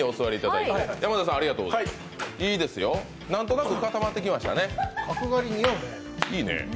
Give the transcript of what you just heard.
いいですよ、なんとなく固まってきましたね。